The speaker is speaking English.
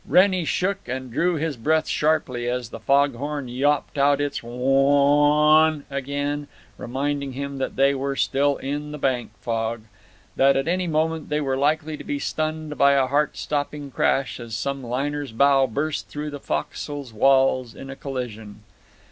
Wrennie shook and drew his breath sharply as the foghorn yawped out its "Whawn n n n" again, reminding him that they were still in the Bank fog; that at any moment they were likely to be stunned by a heart stopping crash as some liner's bow burst through the fo'c'sle's walls in a collision.